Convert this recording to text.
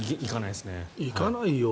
いかないよ。